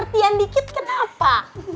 latihan dikit kenapa